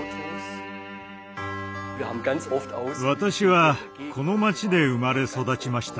私はこの街で生まれ育ちました。